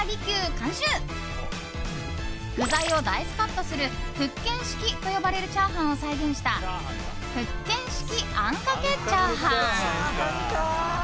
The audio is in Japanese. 監修具材をダイスカットする福建式と呼ばれるチャーハンを再現した福建式あんかけ炒飯！